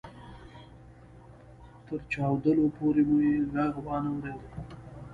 تر چاودلو پورې مو يې ږغ وانه اورېد.